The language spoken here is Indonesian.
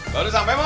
baru sampai mbak